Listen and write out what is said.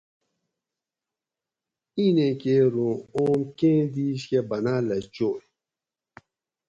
ایں نیں کیر اوُں آڛوم کیں دیش کہ باۤناۤلہ چوئ